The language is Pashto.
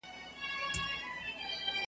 شهنشاه یم د غرڅه وو د لښکرو .